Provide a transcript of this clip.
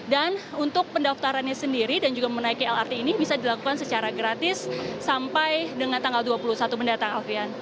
dan untuk pendaftarannya sendiri dan juga menaiki lrt ini bisa dilakukan secara gratis sampai dengan tanggal dua puluh satu mendatang